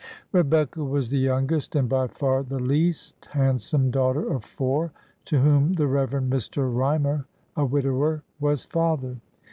Rebecca was the youngest, and by far the least handsome daughter of four, to whom the Reverend Mr. Rymer, a widower, was father.